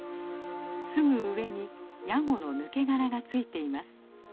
すぐ上にヤゴの抜け殻がついています。